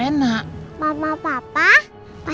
entar tugas pada